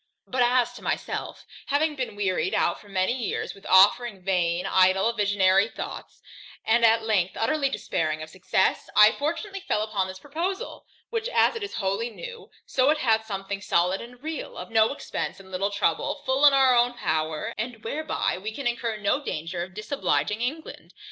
But, as to myself, having been wearied out for many years with offering vain, idle, visionary thoughts, and at length utterly despairing of success, I fortunately fell upon this proposal, which, as it is wholly new, so it hath something solid and real, of no expence and little trouble, full in our own power, and whereby we can incur no danger in disobliging England.